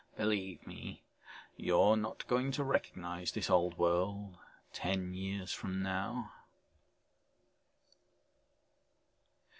"Believe me, you're not going to recognize this old world ten years from now."